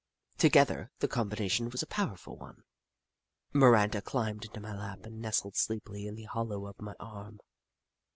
Together, the combination was a powerful one. Miranda climbed into my lap and nestled sleepily in the hollow of my arm.